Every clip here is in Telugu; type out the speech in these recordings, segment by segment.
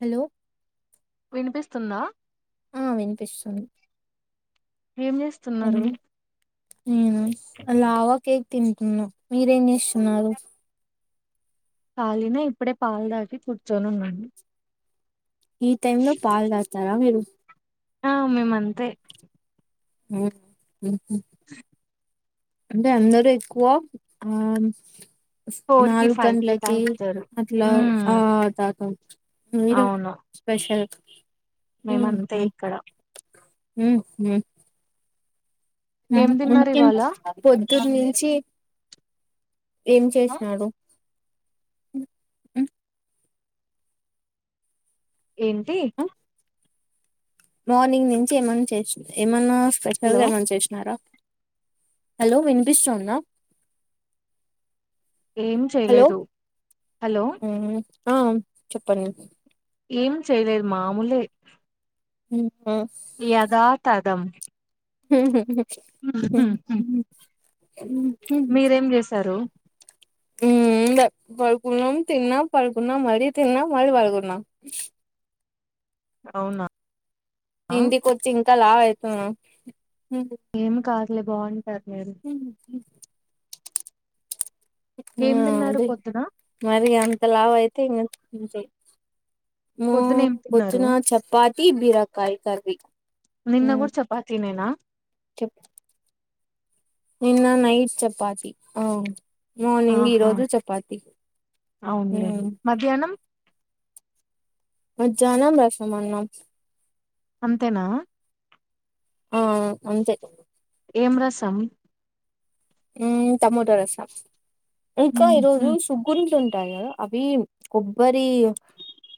హెలో విన్ పిస్తుఉందా ఆ వినిపిస్తుంది ఏం చేస్తున్నారు ఎందుక్ నేనా లావా కేక్ తింటున్నా మీరేం చేస్తుఉన్నారు కాలిన అయి ఇప్పుడే పాల్ దాకి కూర్చొని ఉన్నా ఈ టైమ్ లో పాల్ దాగుతారా మీరు ఆ మేమ్ అంతే మ్ ఉహు అంటే అందరూ ఎక్కువ ఆ ఫోర్ కి నాలుగు ఫైవ్ కి గంటలకి తాగుతారు అట్లా ఉమ్ ఆ తాట మీరు స్పెషల్ మేముంతే ఇక్కడ ఉ ఉ ఏం తిన్నారు ఇంకే ఇవాళ పొద్దున్న నుంచి ఏం ఆ? చేసినాడు ఏంటి ఆ? మార్నింగ్ నుంచి ఏమన్నా చేసిన ఏమన్నా హలో స్పెషల్గా ఏమన్నా చేసినారా హలో వినిపిస్తుందా ఏం హలో చేయలేదు హలో మ్మ్ ఆ చెప్పండి ఏం చేయలేదు మామూలే ఉ హు యదాతదం ఉ హు నో సౌండ్ పడుకున్నాం తిన్న పడుకున్నా మళ్ళీ తిన్న మళ్ళ పడుకున్నా అవునా ఇంటికి వచ్చి ఇంకా లావుఅయితున్నా ఏం కావలే బాగుంది ఉ హు ఆ ఏం తిన్నారు అదే పొద్దున మరి అంత లావు అయితే ఇంకా అంతే పొద్దున ఏం తిన్నారు పొద్దున చపాతి బీరకాయ కర్రీ నిన్న మ్మ్ గూడ చపాతినేనా చెప్ నిన్న నైట్ చపాతి ఆ మార్నింగ్ ఆహా ఈరోజు చపాతి ఊ అవునులే మధ్యాహ్నం మధ్యాహ్నం రసం అన్నం అంతేనా ఆ అంతే ఏం రసం ఉ టమోటా రసం ఇంకా ఈ ఉహు రోజు సుగ్గుంట్లుంటా అవి కొబ్బరి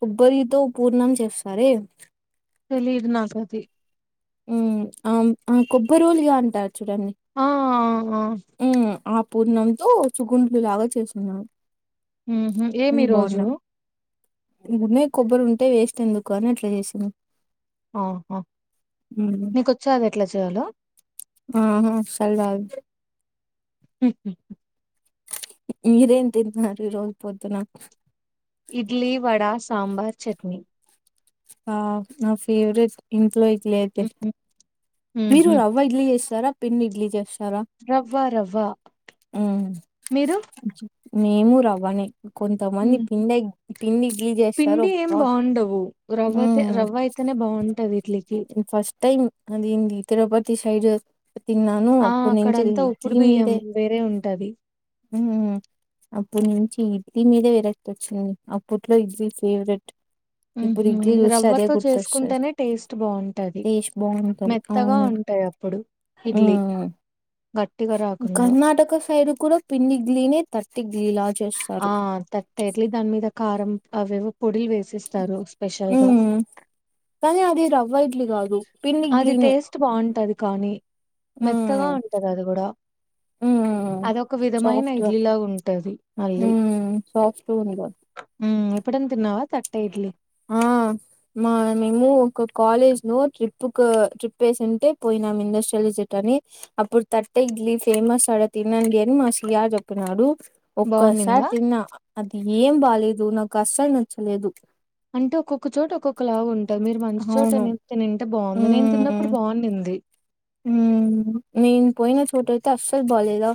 కొబ్బరితో పూర్ణం చెస్తారే తెలీదు నాకు అది ఉ ఆ ఆ కొబ్బరులుగా ఉంటారు చూడండి ఆ ఆ ఆ పూర్ణంతో చుగుండ్లు లాగా చేస్తున్నాను ఏమి అది రోజు బాగున్నా ఉన్నాయి కొబ్బరు ఉంటే వేస్ట్ ఎందుకు అని అట్లా చేసింది ఆహా ఉమ్. నీకుచ్చా ఎట్లా చేయాలో ఆహా అసలు రాదు ఉ ఉ మీరేం తింటున్నారు ఈ రోజు పొద్దున ఇడ్లీ వడా సాంబార్ చట్నీ ఆ నా ఫేవరెట్ ఇంట్లో ఇడ్లీ అయితే ఉహు మీరు ఉహు రవ్వ ఇడ్లీ చేస్తార పిండి ఇడ్లీకి చేస్తారు రవ్వ రవ్వ మీరు మేము రవ్వని కొంతమంది ఉహు. పిండి పిండి ఇడ్లీ చేేస్తారు పిండి ఏం అనే బాగుంటంది ఫస్ట్ టైమ్ అది ఇ తిరుపతి సైడ్ తిన్నాను ఆ అప్పు నుంచి అక్కడంతా ఉప్పుడు ఇడ్లీ బియ్యం మీదే వేరే ఉంటది అప్పటి నుంచి ఇడ్లీ మీదే విరక్తి వచ్చింది అప్పట్లో ఇడ్లీ ఫేవరెట్ ఇప్పుడు ఉహు ఇడ్లీ చూస్తే అదే రవ్వతో గురస్తది చేసుకుంటేనే టేస్ట్ బాగుంటది టెస్ట్ బాగుంటది మెత్తగా ఉమ్ ఉంటాయి అప్పుడు ఉ ఇడ్లీ గట్టిగా రాకుండా కర్ణటక సైడ్ కూడా పిన్నిఇడ్లీ నే తట్ట ఆ తట్టాఇడ్లీ దాని మీద కారం అవి ఇవ్ పొడిలు వేసిస్తారు స్పెషల్గా మ్మ్ కానీ అది రవ్వ ఇడ్లీ కాదు పిండి అది ఇడ్లీనే టేస్ట్ బాగుంటది కానీ మెత్తగా మ్మ్ ఉంటాది అది కూడా ఉమ్ అదొక విధమైన సాఫ్ట్గా ఇడ్లీలా ఉంటది మళ్ళీ పెంగా ఎప్పుడ తిన్నావా తట్టాఇడ్లీ ఆ మా మేము ఒక కాలేజ్ లో ట్రిప్ ట్రిప్ ట్రిపేసుంటే పోయినాం ఇండస్ట్రియల్ జట్ అని అప్పుడు తట్ట ఇడ్లీ ఫేమస్ ఆడ తినండి అని మా సియా చెప్పినాడు ఒక్కసారి బాగుండిందా? తిన్నా అది ఏం బాలేదు నాకు అస్సలు నచ్చలేదు అంటే ఒక్కొక్క చోట ఒక్కొక్క లాగా ఉంటంది త మీరు మంచి చోట అవును తినినుంటే బాగుండుంది నేను తిన్నప్పుడు బాగుండింది. మ్ నేను పోయిన చోట అయితే అస్సలు బాలేదా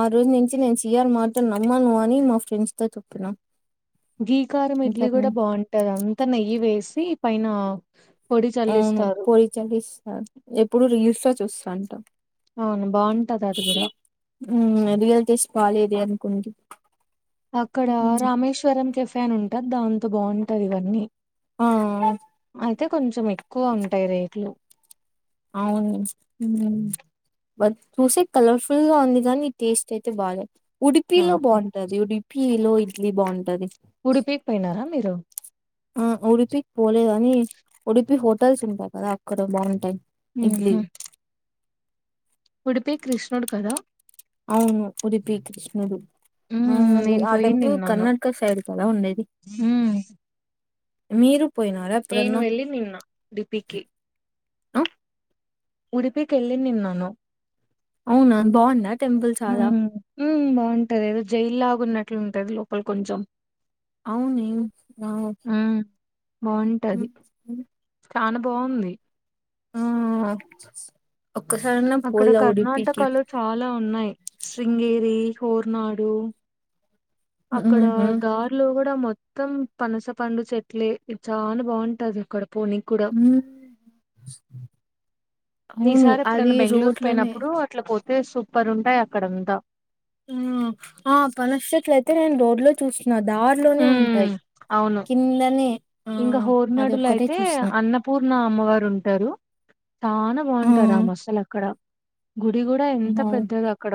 ఆ రోజు నుంచి నేను చియర్ మాటాలు నమ్మను. అని మా ఫ్రెండ్స్ తో చెపిన గీకారం ఇడ్లీ కూడా బాగుంటది అంతా నెయ్యి వేసి పైన పొడి అవును చల్లిస్తారు పొడి చలిస్తారు. ఎప్పుడు రీల్స్ లో చూస్తాంట అవును బాగుంటది అది కూడా ఉ అదిగలే టెస్ట్ బాలేదే అనుకుంది అక్కడ రామేశ్వరం కెఫెన్ అని ఉంటాది దాంతో బాగుంటది ఇవన్నీ ఆ అయితే కొంచెం ఎక్కువ ఉంటాయి రేట్లు అవును మ్ బట్ చూస్తే కలర్ఫుల్ గా ఉంది కానీ టేస్ట్ అయితే బలే ఉడిపిలో ఆహా! బాగుంటది ఉడిపి లో ఇడ్లీ బాగుంటది ఉడిపికి పోయినారా మీరు? ఆ ఉడిపికి పోలేదని ఉడిపి హోటల్స్ ఉంటాయి కదా అక్కడ బాగుంటాయి ఇడ్లీ ఉహు ఉడిపి కృష్ణుడు కదా అవును ఉడిపి కృష్ణుడు ఆ హ్మ్. అది నేను ఆ పోయింది టెంపుల్ కర్ణాటక సైడ్ కదా ఉండేది ఊ మీరు పోయినారా ఎప్పుడన్న వెళ్ళింది నిన్న ఉడిపికి. ఉడిపి కి వెళ్లినినాను అవునా బాగుందా టెంపుల్ చాలా హ్మ బాగుంటది ఏదో జైలులాగాన్నట్లుంటది లోపల కొంచెం అవునే బవ్ హ్మ్. బాగుంటది చానా బాగుంది ఆ ఒక్కసారన్నా అక్కడ పోలా ఉడిపికి కర్ణాటక లో చాలా ఉన్నాయి. శృంగేరి, హోర్నాడు. అక్కడ ఉమ్మ్, దార్ లో కూడా మొత్ మొత్తం పనసపండు చెట్లే ఇది చాలా బాగుంటది అక్కడ పోనీకి కూడా హ్ ఈసారి ఎప్పుడైనా బెంగళూరు పోయినప్పుడు అట్ల పోతే సూపర్ ఉంటాయి అక్కడంతా ఆ పనస చెట్లు అయితే నేను రోడ్ లో చూసిన దా ఉమ్ ఉంటాయి అవును కిందనే ఆ ఇంకా అది హోర్నాడులో ఒక్కటే అయితే చూసిన అన్నపూర్ణ అమ్మవారు ఉంటారు చానా ఆ బాగుంటాది రా మసాల అక్కడ గుడి కూడా ఆ, ఎంత పెద్దది అక్కడ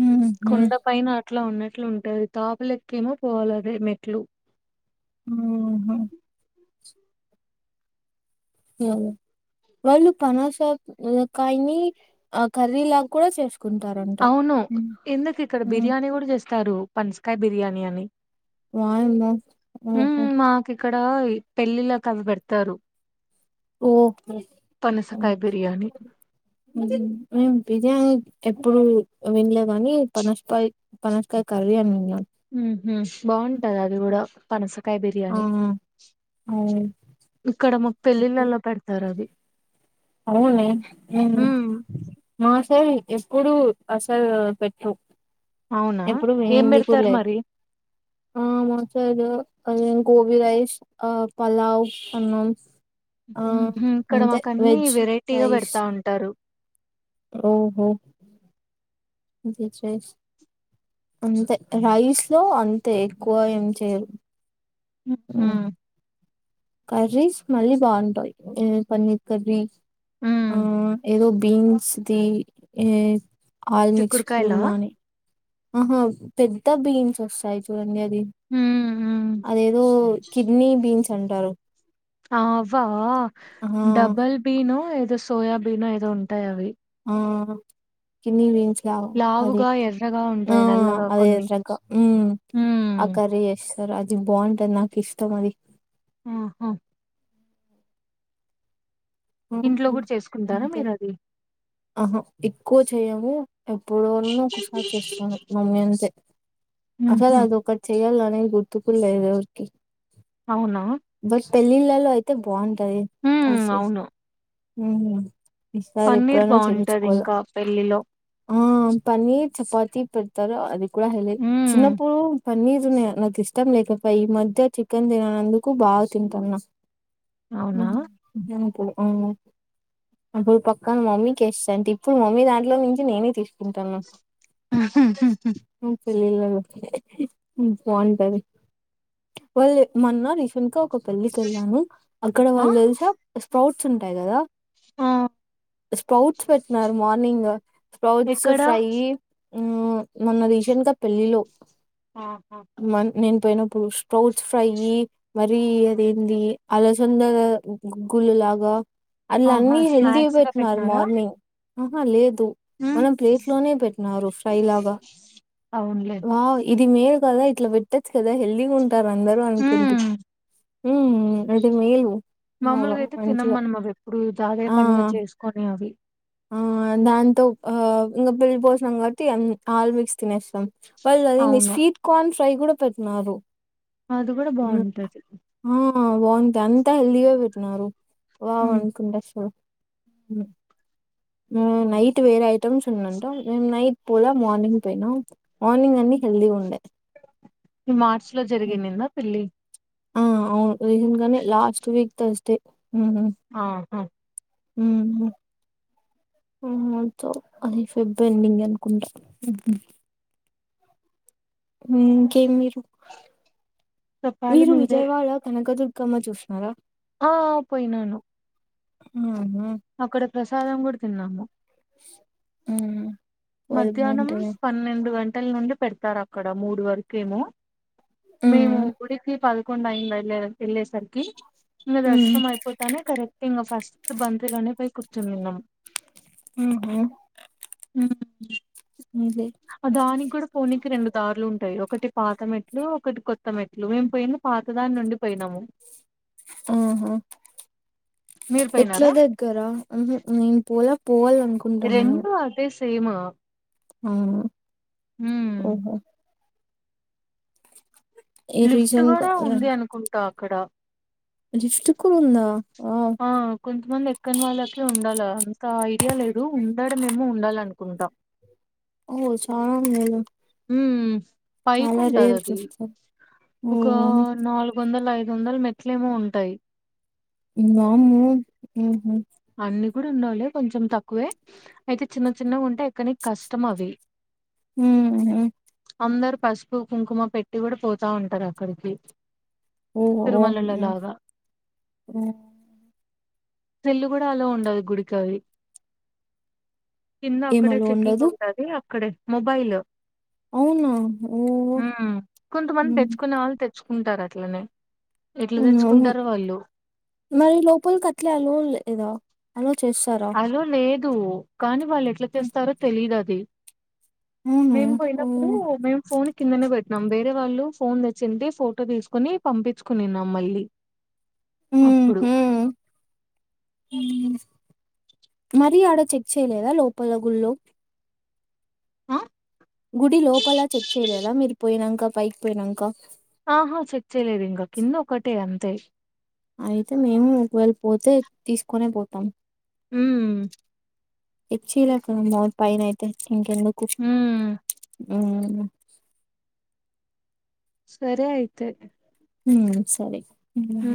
ఉమ్మ్, ఉమ్మ్, కొండా పైన అట్లా ఉన్నట్లు ఉంటది తాపల ఎక్కేమో పోవాలదే మెట్లు ఊ హ్మ్మ్ ఏం వాళ్ళు పనాసా కాయని ఆ కర్రీ లాగా కూడా చేసుకుంటారు అవును ఎందుకు ఇక్కడ బిర్యానీ కూడా చేస్తారు. పనసకాయ బిర్యానీ అని వాయమ్మో మర్ ఉమ్ మాకు ఇక్కడ పెళ్ళిళ్ళకు అవి పెడతారు ఓకే ఉమ్ పనసకాయ బిర్యానీ బి బిరియాని ఎప్పుడు వినలే గాని పనస్కాయ్ పనస్కాయ కర్రీ అని విన్న ఊ హ్మ్ బాగుంటది అది కూడా పనస కాయ ఆ బిర్యానీ ఇక్కడ మాకు పెళ్ళిళ్ళలో పెడతారు అది అవునే ఉమ్ మా సైడ్ ఎప్పుడు అసలు పెట్టరు అవునా ఎప్పుడు ఏం వినింది కూడ పెడతారు లేదు మరి ఆ మా సైడ్ అదేంది గోబి రైస్ ఆ పలావ్ అన్నాం ఆ ఉహు ఇక్కడ అంతే మాకు అన్ని వెజ్ వెరైటీగా రైస్ పెడతా ఉంటారు ఓహో అంతే రైస్ లో అంతే ఎక్కువ ఏం చేయరు ఉ హ్మ్మ్ కర్రీస్ మళ్ళీ బాగుంటాయి పన్నీర్ కర్రీ ఉమ్ ఆ ఏదో బీన్స్ ది ఆల్మిక్స్ చిక్కుడుకాయలా కూర్మాని ఆహా పెద్ద బీన్స్ వస్తాయి చూడండి అ ఉమ్ ఉమ్ అదేదో కిడ్నీ బీన్స్ అంటారు ఆ అవా ఆ డబల్ బీన్ ఏదో సోయా బీన్ ఏదో ఉంటాయి అవి ఆ కిడ్నీ బీన్స్ అదే లావుగా ఎర్రగా ఆ ఉంటాయి నల్లగా అదే కొన్ని రక ఉ ఆ ఉమ్ కరి ఎస్ స అది బాగుంటది నాకు ఇష్ట మది ఆహా ఇంట్లో కూడా చేసుకుంటారా అంతే మీరు అది ఆహా ఎక్కువ చెయము ఎప్పుడన ఒకసారి చేస్తున్నారు మమ్మీ అంతే అసలు ఉహు అదిఒకటి చెయాల గుర్తుకూడలేదు ఎవరికి అవునా బట్ పెళ్ళిళ్ళలో అయితే బాగుంటది ఉమ్ తీసే అవును ఉహ్మ్ ఈసారి పన్నీర్ ఎప్పుడైనా బాగుంటది చేపిచ్చుకోవల ఇంకా పెళ్ళిలో ఆ పన్నర్ చెపాతి పెడతారు అది కూడా హైలెట్ ఉమ్ చిన్నప్పుడు పన్నీర్ని నాకు ఇష్టం లేకపోయి ఈ మధ్య చికెన్ తిననందుకు బాగా తింటున్నా అవునా ప్పువు అప్పుడు పక్కన మమ్మీకి ఇస్త అంటే ఇప్పుడు మమ్మీ దాంట్లో నుంచి నేనే తీసు ఆ పెళ్ళి బాగుంటది వాళ్ళు మొన్న రీసెంట్ ఒక పెళ్లికి వెళ్ళాను అక్కడ ఆ వాళ్ళు తెలిసా స్ప్రౌట్స్ ఉంటాయి కదా ఆ స్ప్రౌట్స్ పెట్టిన మార్నింగ్ స్ప్రౌట్స్ ఎక్కడ ఫ్రై మొన్న రీసెంట్ గా పెళ్ళిలో ఆహా మ నేను పోయినప్పుడు స్ట్రౌట్ ఫ్రై మరి అదేంది అలసంద గుగ్గులు లాగా అలా ఆహా, అన్ని హెల్తీ స్నాక్స్ గా పెట్టినారు పెట్టినారా మార్నింగ్ ఆహా లేదు దు మ్మ్. మనం ప్లేట్ లోనే పెట్నారు ఫ్రై లాగా అవునులే వావ్ ఇది మేలు కదా ఇట్లా పెట్టచ్చ కదా హెల్ది ఉ అందరూ అనుకుండి మ్మ్. మ్మ్ అది మేలు బాగా మామూలుగా అయితే తినం మంచిగా మనం అవెప్పుడు అదే పనిగ ఆ చేసుకొని అవి ఆ దాంతో హా ఇంకా పెళ్ళి భోజనం కాబట్టి ఆల్ మిక్స్ తినేస్నామ్ బల్ అనింది అవును స్వీట్ కార్న్ ఫ్రై కూడా పెట్నారు అదిగుడా బాగుంటది ఆ బాగుంటాయి అంతా హెల్దీగా పెట్నరు వావ్ మ్మ్. అనుకుంటే అసలు అ నైట్ వేరే ఐటమ్స్ ఉన్నాంట మేము నైట్ పొల మార్నింగ్ పోయినాం మార్నింగ్ అన్ని హెల్ది ఉండే ఈ మార్చ లో హ్మ్. జరిగిన్నింనదా పెళ్లి ఆ అవును రీసెంట్ గానే లాస్ట్ వీక్ థర్సడే ఆ హ మ్మ్ హు ఆ అది ఫెబ్ ఎండింగ్ అనుకుంటా మ్మహు ఇంకే మీరు చెప్పాలి మీరు మీరే విజయవాడ కనకదు క్కమ్మ చూష్ణారా ఆ పోయినాను మ్మ్ హు అక్కడ ప్రసాదం కూడా తిన్నాము మ్మహు మధ్యాహ్నం పన్నెండు గంటల నుండి పెడతారు అక్కడ మూడు వరకేమో మేము ఉమ్ గుడికి పదకొండు అయ్యింది వెళ్ళ వెళ్ళేసరికి ఇంకా ఉమ్ దర్శనం అయిపోతానే కరెక్ట్ ఇంకా ఫస్ట్ బంతిలోనే పోయ్ కూర్చునిన్నాము మ్మ్ హు మ్మ్ దానికి కూడా పోనీకి రెండు దారులుంటాయి ఒకటి పాతం మెట్ ట్లు ఒకటి కొత్త మెట్లు మేము పోయింది పాతదాని నుండి పోయినాము ఆహా మీరు ఎట్లా పోయినారా దగ్గరా మ్మహు నేను పోల పోవాలనుకుంటున్నాను రెండు అదే సేమ్ మ్మ్ ఉమ్ ఓహో ఈ లిఫ్ట్ రీజన్ కూడా ఉంది అనుకుంటా అక్కడ లిఫ్టకు ఉందా వావ్ ఆ కొంతమంది ఎక్కన్ వాళ్ళకి ఉండాలి అంత ఐడియా లేదు ఉండడమేమో ఉండాలనుకుంటాం ఓ చాలా మేలు మ్మ్ చాలా రేర్ పైకింటదది చూస్తా ఓ ఒక నాలుగు వందల ఐదు ఐదు వందలు మెట్లేమో ఉంటాయి ఇంగ అవును మ్మహు అన్ని కూడా ఉండవులే కొంచెం తక్కువే అయితే చిన్న చిన్నగా ఉంటేయి కానీ కష్టం అవి ఉహు అందరు పసుపు కుంకుమ పెట్టి కూడా పోతా ఉంటారు అక్కడికి ఓహో ఓహో తిరుమలలో లాగా ఉమ్మ్ సెల్లు కూడా ఆలో ఉండదు గుడికావి కింద ఏం అక్కడే అలో చెకింగ్ ఉండదు ఉంటది అక్కడే మొబైల్ అవునా ఓ మ్మ్ కొంతమంది ఉమ్ తెచ్చుకునే వాళ్ళు తెచ్చ చ్చుకుంటారు అట్లనే ఎట్లా మ్మ్ అవును తెచ్చుకుంటారో వాళ్ళు మరి లోపల కట్ట అట్లే అలో లేదా అలో చేస్తారా కు కానీ వాళ్ళు ఎట్లా చేస్తారో తెలీదు అది అవును మేము పోయినప్పుడు ఉహు మేము ఫోన్ కిందనే పెట్నాం వేరే వాళ్ళు ఫోన్ తెచ్చి ఫోటో తీసుకోని పంపించుకునిన్నాం మళ్ళీ, అప్పుడు మరిీ ఆడ చెక్ చేయలేదా లోపల గుళ్లో ఆ పోయినాంకా పైకి పోయినాంకా, ఆహా చెక్ చెయలేదు ఇంకా కింద ఒకటే అంతే అయితే మేము ఒకవేళ పోతే తీసుకునే పోతాం, ఊ ఇచ్చి ఇలే కా పైన అయితే ఇంకెందుకు, ఉమ్ ఉహు సరే అయితే ఉ సరే ఉమ్ ఉ